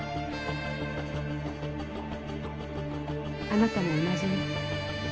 あなたも同じね。